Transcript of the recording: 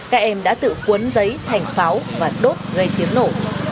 các em đã tự cuốn giấy thành pháo và đốt gây tiếng nổ